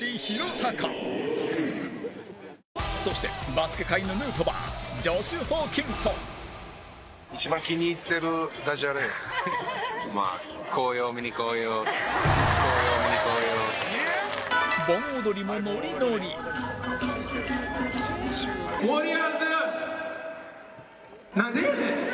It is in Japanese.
鷹そして、バスケ界のヌートバージョシュ・ホーキンソン盆踊りもノリノリ山崎：